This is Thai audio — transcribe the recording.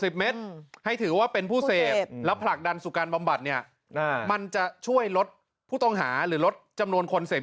ให้ถือว่าเป็นผู้เสพแล้วผลักดันสู่การบำบัดเนี่ยมันจะช่วยลดผู้ต้องหาหรือลดจำนวนคนเสพ